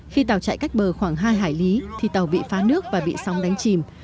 khi tàu chạy cách bờ khoảng hai hải lý thì tàu bị phá nước và bị sóng đánh chìm